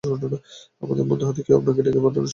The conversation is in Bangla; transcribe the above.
আমাদের মধ্য হতে কেউ আপনাকে ডেকে পাঠানোর সাহস করতে পারে না।